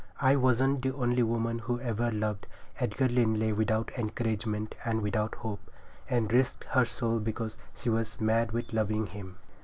I wasn't the only woman who ever loved Edgar Linley without encouragement and without hope, and risked her soul because she was mad with loving him.